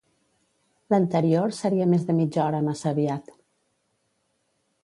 L'anterior seria més de mitja hora massa aviat.